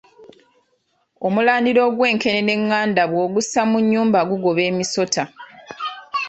Omulandira og’wenkenene eŋŋanda bw’ogussa mu nnyumba gugoba emisota.